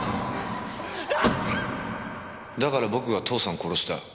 だから僕が父さん殺した。